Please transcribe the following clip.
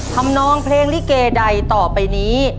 นองเพลงลิเกใดต่อไปนี้